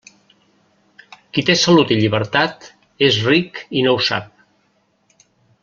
Qui té salut i llibertat és ric i no ho sap.